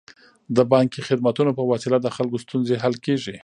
د بانکي خدمتونو په وسیله د خلکو ستونزې حل کیږي.